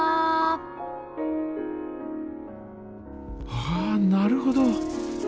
ああなるほど。